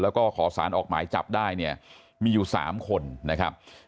แล้วก็ขอสารออกหมายจับได้เนี่ยมีอยู่๓คนนะครับ